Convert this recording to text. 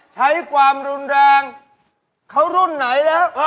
ใช้ความรุนแรงเขารุ่นไหนแล้ว